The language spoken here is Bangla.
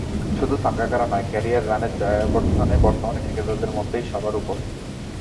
শুধু সাঙ্গাকারা নয়, ক্যারিয়ার রানে জয়াবর্ধনে বর্তমান ক্রিকেটারদের মধ্যেই সবার ওপরে।